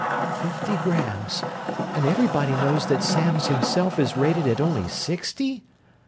"Fifty grams and everybody knows that Samms himself is rated at only sixty?